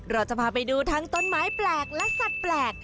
เราจะพาไปดูทั้งต้นไม้แปลกและสัตว์แปลก